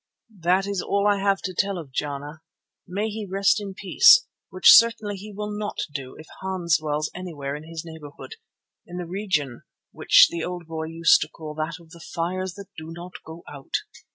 That is all I have to tell of Jana. May he rest in peace, which certainly he will not do if Hans dwells anywhere in his neighbourhood, in the region which the old boy used to call that of the "fires that do not go out."